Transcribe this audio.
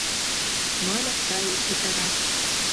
Мамык гае тӱтыра